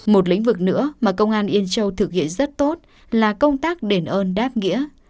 một lĩnh vực nữa mà công an yên châu thực hiện rất tốt là công tác đền ơn đáp nghĩa